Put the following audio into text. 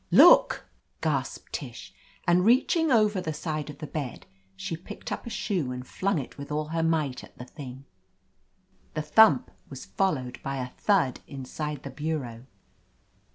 "Look !" gasped Tish, and, reaching over the side of the bed, she picked up a shoe and flung it with all her might at the thing. The thump was followed by a thud inside the bureau.